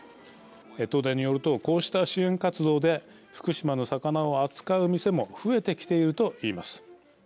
東電によるとこうした支援活動で福島の魚を扱う店も増えてきていると言います。